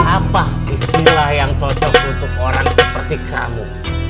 apa istilah yang cocok untuk orang seperti kamu